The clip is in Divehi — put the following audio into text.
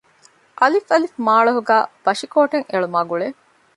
އއ. މާޅޮހުގައި ބަށިކޯޓެއް އެޅުމާގުޅޭ